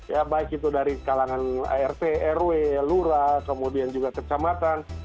ya baik itu dari kalangan rt rw lura kemudian juga kecamatan